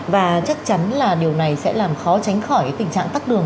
và chắc chắn là điều này sẽ làm khó tránh khỏi tỉnh thương